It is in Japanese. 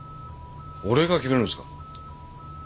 俺が決めるんですか？